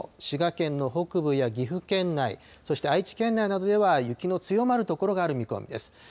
滋賀県の北部や岐阜県内、そして愛知県内などでは雪の強まる所がある見込みです。